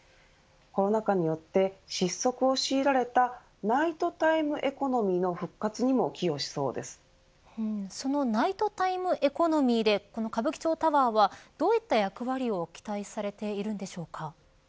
コロナ禍によって失速を強いられたナイトタイムエコノミーの復活にも寄与しそのナイトタイムエコノミーでこの歌舞伎町タワーはどういった役割を期待されているのでしょうか。